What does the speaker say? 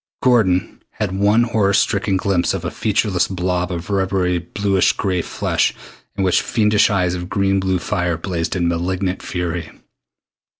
Gordon had one horror stricken glimpse of a featureless blob of rubbery bluish gray flesh in which fiendish eyes of blue green fire blazed in malignant fury.